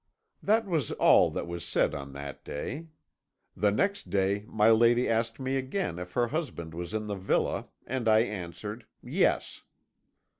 "That was all that was said on that day. The next day my lady asked me again if her husband was in the villa and I answered 'Yes.'